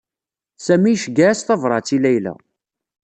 Sami iceyyeɛ-as tabṛat i Layla.